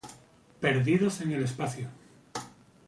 Perdidos en el espacio.